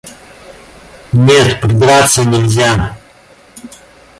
Нет, придраться нельзя.